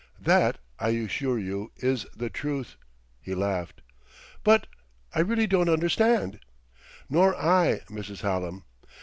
"That, I assure you, is the truth," he laughed. "But ... I really don't understand." "Nor I, Mrs. Hallam.